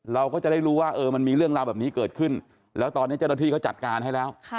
เราก็จะได้รู้ว่ามันมีเรื่องราวแบบนี้เกิดขึ้นแล้วตอนนี้เจ้าหน้าที่เขาจัดการให้แล้ว